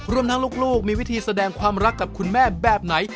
รวมทั้งลูกมีวิธีแสดงความรักกับคุณแม่แบบไหน